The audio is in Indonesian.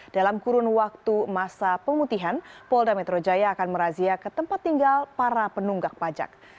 dalam kurun waktu masa pemutihan polda metro jaya akan merazia ke tempat tinggal para penunggak pajak